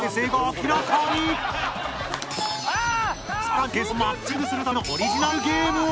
さらにゲストとマッチングするためのオリジナルゲームを。